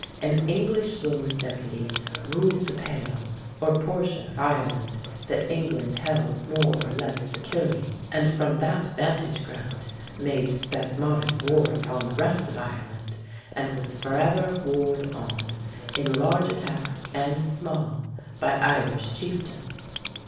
An English Lord Deputy ruled the "Pale", or portion of Ireland that England held more or less securely, and from that vantage ground made spasmodic war upon the rest of Ireland, and was forever warred on, in large attacks and small, by Irish chieftains.